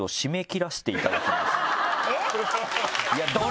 えっ？